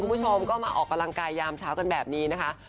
คุณผู้ชมก็มาออกกำลังกายยามเช้ากันแบบนี้นะคะ